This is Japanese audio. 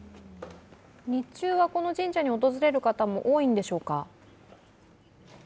日中はこの神社に訪れる方も多いでしょうか？